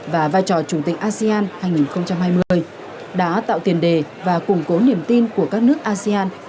và vai trò chủ tịch asean hai nghìn hai mươi đã tạo tiền đề và củng cố niềm tin của các nước asean